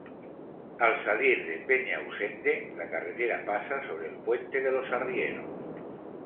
Al salir de Peñausende, la carretera pasa sobre el Puente de los Arrieros.